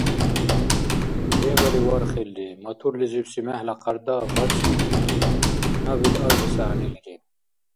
Дебали вархилри: моторлизибси мегьла къярда барцбикилри, наб ил арзес гӀягӀнилири.